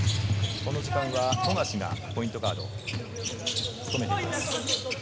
この時間は富樫がポイントガードを務めています。